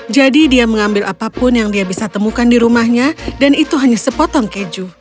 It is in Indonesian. jadi dia mengambil apapun yang dia bisa temukan di rumahnya dan itu hanya sepotong keju